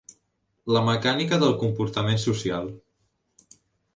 La mecànica del comportament social.